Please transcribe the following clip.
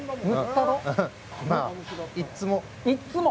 いっつも。